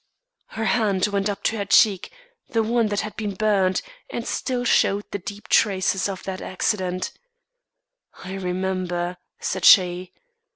Her hand went up to her cheek, the one that had been burned, and still showed the deep traces of that accident. "I remember," said she.